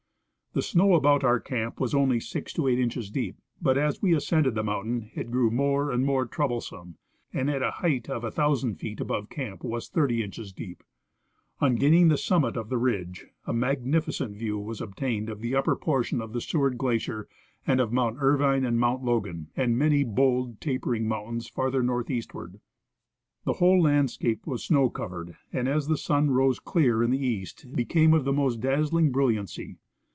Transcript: The snow about our camp was only six or eight inches deep, but as we ascended the mountain it grew more and more troublesome, and at a height of a thousand feet above camp was thirty inches deep. On gaining the summit of the ridge a magnificent view was obtained of the ui3per portion of the Seward glacier and of Mount Irving and Mount Logan, and many bold, tapering mountains farther northeastward. The whole landscape was snow covered, and as the sun rose clear in the east became of the most dazzling brilliancy.